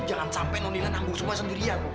jangan sampai non lila nanggut semua sendirian